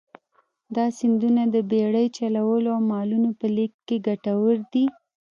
دا سیندونه د بېړۍ چلولو او مالونو په لېږد کې کټوردي.